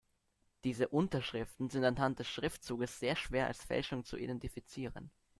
Diese Unterschriften sind anhand des Schriftzuges sehr schwer als Fälschung zu identifizieren.